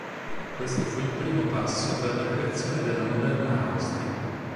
Questo fu il primo passo per la creazione della moderna Austria.